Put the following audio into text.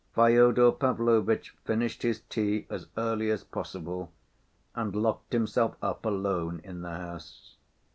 Fyodor Pavlovitch finished his tea as early as possible and locked himself up alone in the house.